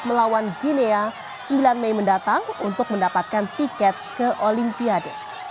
melawan guinea sembilan mei mendatang untuk mendapatkan tiket ke olympia d